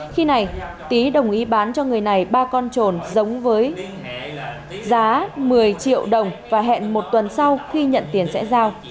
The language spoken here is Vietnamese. khi này tý đồng ý bán cho người này ba con trồn giống với giá một mươi triệu đồng và hẹn một tuần sau khi nhận tiền sẽ giao